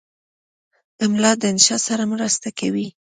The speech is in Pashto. املا د انشا سره مرسته کوي.